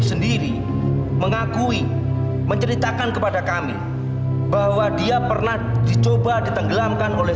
sendiri mengakui menceritakan kepada kami bahwa dia pernah dicoba ditenggelamkan oleh